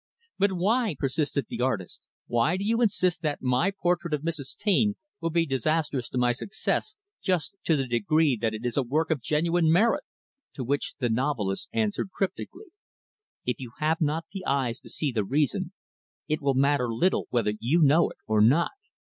"But why" persisted the artist "why do you insist that my portrait of Mrs. Taine will be disastrous to my success, just to the degree that it is a work of genuine merit?" To which the novelist answered, cryptically, "If you have not the eyes to see the reason, it will matter little whether you know it or not.